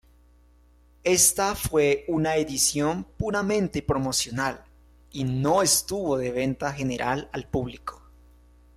Ésta fue una edición puramente promocional, y no estuvo de venta general al público.